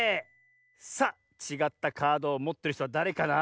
さあちがったカードをもってるひとはだれかな？